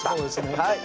はい